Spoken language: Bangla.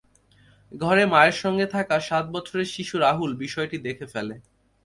ঘরে মায়ের সঙ্গে থাকা সাত বছরের শিশু রাহুল বিষয়টি দেখে ফেলে।